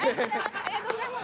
ありがとうございます。